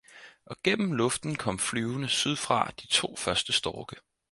og gennem luften kom flyvende, sydfra, de to første storke.